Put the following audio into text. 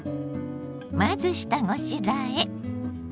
まず下ごしらえ。